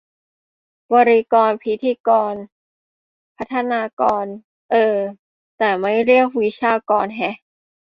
บริกร พิธีกร พัฒนากร เออ แต่ไม่เรียก วิชากร แฮะ